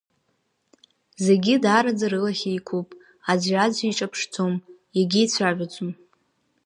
Зегьы даараӡа рылахь еиқәуп, аӡәи-аӡәи еиҿаԥшӡом, иагьеицәажәаӡом…